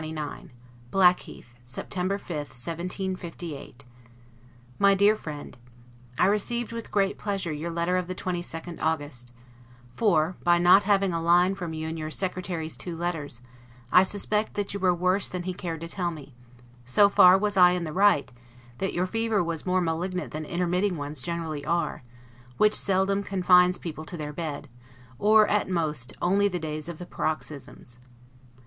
LETTER CCXXIX BLACKHEATH, September 5, 1758 MY DEAR FRIEND: I received, with great pleasure, your letter of the 22d August; for, by not having a line from you in your secretary's two letters, I suspect that you were worse than he cared to tell me; and so far I was in the right, that your fever was more malignant than intermitting ones generally are, which seldom confines people to their bed, or at most, only the days of the paroxysms.